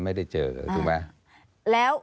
ไม่ได้เจอ